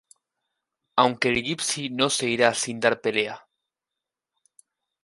Aunque el Gipsy no se iría sin dar pelea.